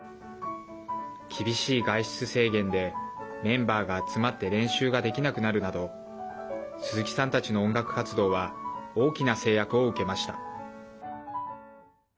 厳しい外出制限でメンバーが集まって練習ができなくなるなど鈴木さんたちの音楽活動は大きな制約を受けました。